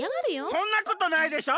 そんなことないでしょ！